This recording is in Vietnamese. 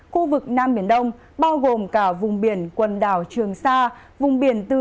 khu vực nam biển đông bao gồm cả vùng biển quần đảo trường sa vùng biển từ ninh thuận